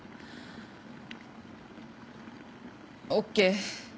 ＯＫ。